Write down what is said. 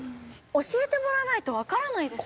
教えてもらわないとわからないです。